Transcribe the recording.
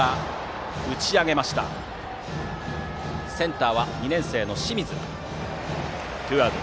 センター、２年生の清水がとってツーアウト。